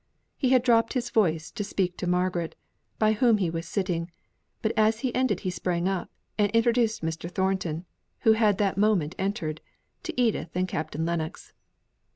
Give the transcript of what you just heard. He had dropped his voice to speak to Margaret, by whom he was sitting; but as he ended he sprang up, and introduced Mr. Thornton, who had that moment entered, to Edith and Captain Lennox.